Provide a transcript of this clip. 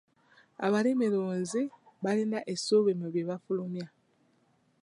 Abalimirunzi balina essuubi mu bye bafulumya.